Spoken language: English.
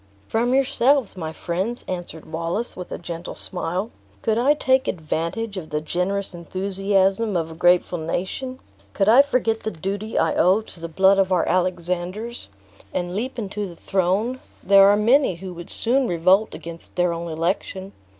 "From yourselves, my friends," answered Wallace, with a gentle smile. "Could I take advantage of the generous enthusiasm of a grateful nation; could I forget the duty I owe to the blood of our Alexanders, and leap into the throne, there are many who would soon revolt against their own election.